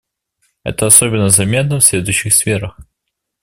Это особенно заметно в следующих сферах.